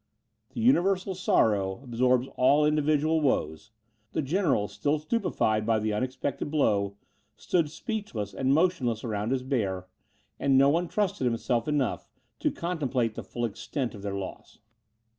The universal sorrow absorbs all individual woes. The generals, still stupefied by the unexpected blow, stood speechless and motionless around his bier, and no one trusted himself enough to contemplate the full extent of their loss.